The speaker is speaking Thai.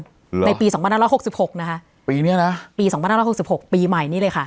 อืมในปีสองพันห้าร้อยหกสิบหกนะคะปีเนี้ยนะปีสองพันห้าร้อยหกสิบหกปีใหม่นี่เลยค่ะ